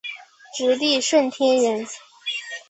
直隶顺天人。